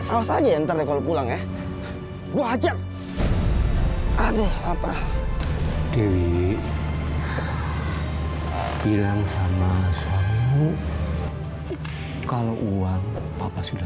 awas aja entar kalau pulang ya gua ajar aduh lapar dewi bilang sama kamu kalau uang papa sudah